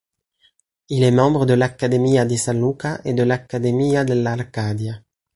Il est membre de l'Accademia di San Luca et de l'Accademia dell'Arcadia.